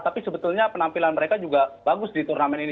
tapi sebetulnya penampilan mereka juga bagus di turnamen ini